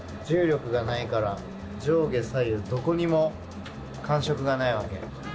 重力がないから、上下左右、どこにも感触がないわけ。